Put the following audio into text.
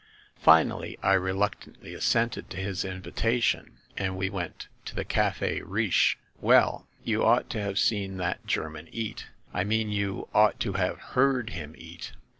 Finally, I reluctantly assented to his invita tion, and we went to the Cafe Riche. "Well, you ought to have seen that German eat, ‚ÄĒ I mean you ought to have heard him eat